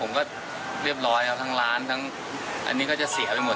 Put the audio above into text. คุณพีชบอกไม่อยากให้เป็นข่าวดังเหมือนหวยโอนละเวง๓๐ใบจริงและก็รับลอตเตอรี่ไปแล้วด้วยนะครับ